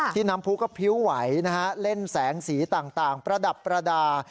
น้ำผู้ก็พริ้วไหวนะฮะเล่นแสงสีต่างประดับประดาษ